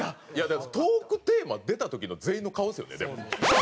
だからトークテーマ出た時の全員の顔ですよねでも。